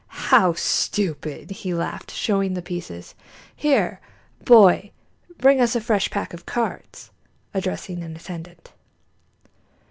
"How stupid!" he laughed, showing the pieces. "Here, boy, bring us a fresh pack of cards," addressing an attendant.